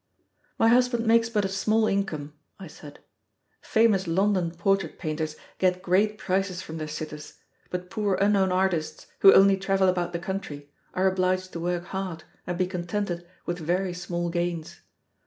"My husband makes but a small income," I said. "Famous London portrait painters get great prices from their sitters; but poor unknown artists, who only travel about the country, are obliged to work hard and be contented with very small gains.